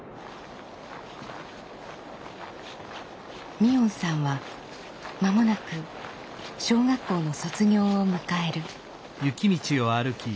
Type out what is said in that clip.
海音さんは間もなく小学校の卒業を迎える。